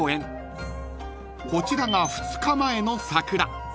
［こちらが２日前の桜］